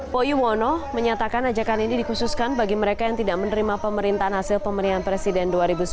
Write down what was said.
poyuwono menyatakan ajakan ini dikhususkan bagi mereka yang tidak menerima pemerintahan hasil pemilihan presiden dua ribu sembilan belas